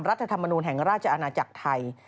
รัฐธรรมนูลแห่งราชอาณาจักรไทย